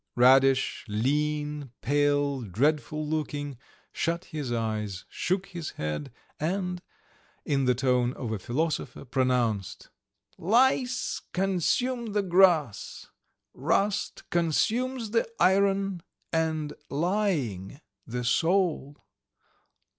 Radish, lean, pale, dreadful looking, shut his eyes, shook his head, and, in the tone of a philosopher, pronounced: "Lice consume the grass, rust consumes the iron, and lying the soul.